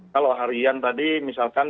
kalau harian tadi misalkan